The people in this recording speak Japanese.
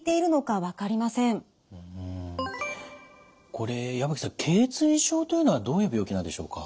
これ矢吹さんけい椎症というのはどういう病気なんでしょうか。